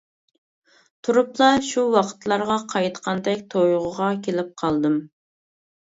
تۇرۇپلا شۇ ۋاقىتلارغا قايتقاندەك تۇيغۇغا كېلىپ قالدىم.